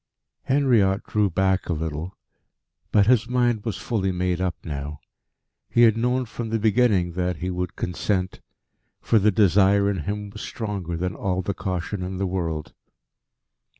Henriot drew back a little. But his mind was fully made up now. He had known from the beginning that he would consent, for the desire in him was stronger than all the caution in the world.